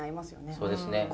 そうですね。